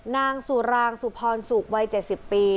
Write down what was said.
นางสุรางสุพรสุกวัย๗๐ปี